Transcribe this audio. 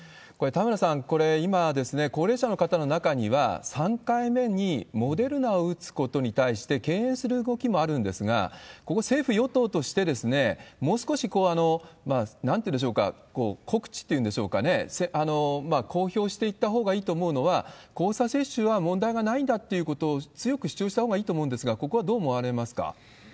これ、田村さん、今、高齢者の方の中には、３回目にモデルナを打つことに対して敬遠する動きもあるんですが、ここ、政府・与党として、もう少しなんというんでしょうか、告知というんでしょうかね、公表していったほうがいいと思うのは、交差接種は問題がないんだということを強く主張したほうがいいと思うんですが、ここはどう思われますか？